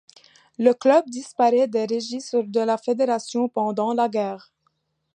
Le club disparait des registres de la Fédération pendant la guerre.